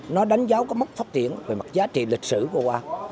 nó đánh giáo cái mức phát triển về mặt giá trị lịch sử của hội an